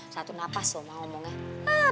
satu nafas loh mau ngomongin